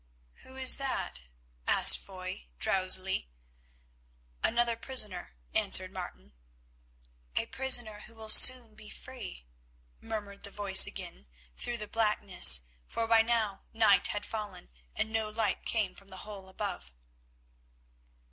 "Who is that?" asked Foy drowsily. "Another prisoner," answered Martin. "A prisoner who will soon be free," murmured the voice again through the blackness, for by now night had fallen, and no light came from the hole above.